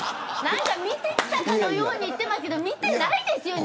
なんか見てきたかのように言ってますけど見てないですよね。